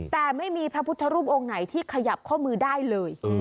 แต่ไม่มีพระพุทธรูปองค์ไหนที่ขยับข้อมือได้เลย